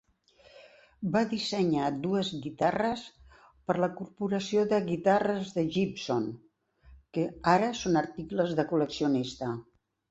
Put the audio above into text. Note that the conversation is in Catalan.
Va dissenyar dues guitarres per la corporació de guitarres de Gibson, que ara són articles de col·leccionista.